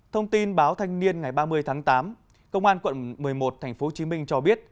thông tin báo thanh niên ngày ba mươi tháng tám công an quận một mươi một tp hcm cho biết